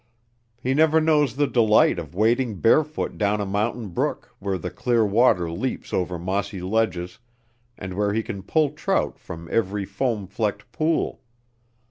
He never knows the delight of wading barefoot down a mountain brook where the clear water leaps over mossy ledges and where he can pull trout from every foam flecked pool!